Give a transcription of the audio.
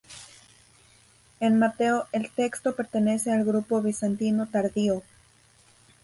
En Mateo el texto pertenece al grupo bizantino tardío.